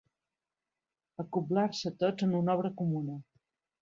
Acoblar-se tots en una obra comuna.